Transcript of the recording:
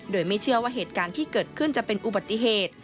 โดยไม่เชื่อว่าเหตุการณ์ที่เกิดขึ้นจะเป็นอุบัติเหตุ